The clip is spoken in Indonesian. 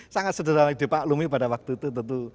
sangat sederhana yang dipaklumi pada waktu itu tentu